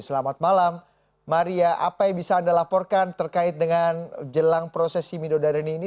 selamat malam maria apa yang bisa anda laporkan terkait dengan jelang prosesi midodareni ini